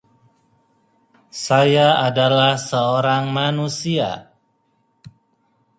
They even fired cup-winning manager Pericles Chamusca in mid July.